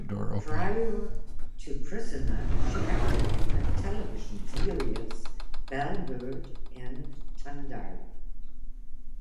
Prior to "Prisoner" she acted in the television series "Bellbird" and "Tandarra".